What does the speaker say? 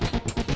aku mau nolak